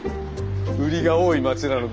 売りが多い町なので。